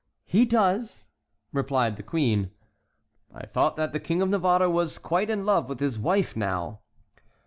"He does," replied the queen. "I thought that the King of Navarre was quite in love with his wife now."